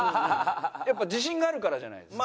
やっぱ自信があるからじゃないですか。